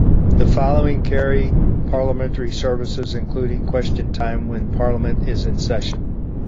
The following carry parliamentary services, including Question Time, when parliament is in session.